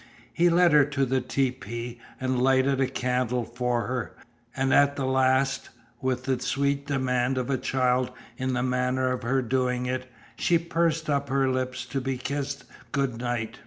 He led her to the tepee, and lighted a candle for her, and at the last, with the sweet demand of a child in the manner of her doing it, she pursed up her lips to be kissed good night.